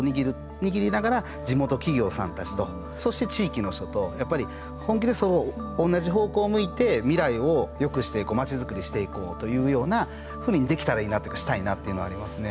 握りながら地元企業さんたちとそして地域の人とやっぱり本気でそのおんなじ方向を向いて未来をよくしていこう町づくりしていこうというようなふうにできたらいいなっていうかしたいなっていうのはありますね。